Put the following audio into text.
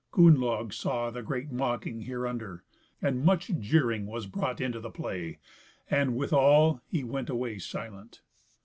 Gunnlaug saw the great mocking hereunder, and much jeering was brought into the play; and withal he went away silent.